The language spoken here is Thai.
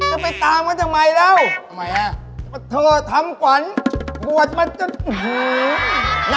จะไปตามก็จะไม่แล้วว่าเธอทำขวัญบวชมันจะอื้อหือ